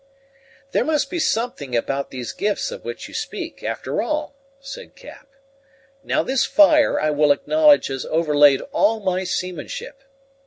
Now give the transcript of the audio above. "There must be something about these gifts of which you speak, after all," said Cap. "Now this fire, I will acknowledge, has overlaid all my seamanship.